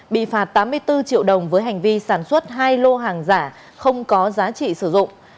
bị phạt tám mươi bốn triệu đồng với hành vi sản xuất hai lô hàng giả không có giá trị sử dụng